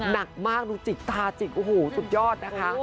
หนักมากดูจิกตาจิกโอ้โหสุดยอดนะคะ